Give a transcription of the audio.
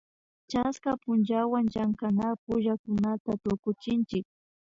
chaska punllawan llankanak pullakunata tukuchinchik